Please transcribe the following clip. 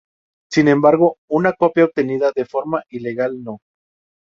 Sin embargo una copia obtenida de forma ilegal no.